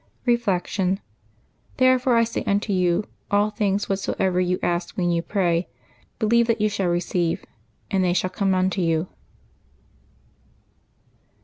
Reflection. —^^ Therefore I say unto you, all things whatsoever you ask when you pray, believe that you shall receive : and tliey shall come unto you."